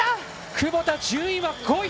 窪田、順位は５位。